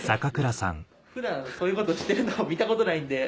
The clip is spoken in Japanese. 普段そういうことしてるのを見たことないんで。